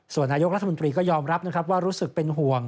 ส่วนนายกรัฐมนตรีก็ยอมรับนะครับว่ารู้สึกเป็นห่วง